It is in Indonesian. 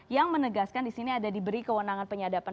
yang menegaskan di sini ada diberi kewenangan penyadapan